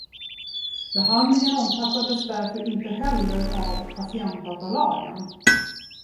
Behandlingen omfattades därför inte heller av patientdatalagen.